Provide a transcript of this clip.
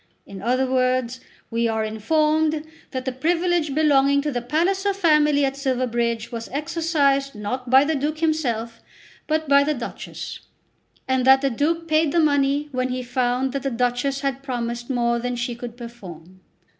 In other words we are informed that the privilege belonging to the Palliser family at Silverbridge was exercised, not by the Duke himself, but by the Duchess; and that the Duke paid the money when he found that the Duchess had promised more than she could perform.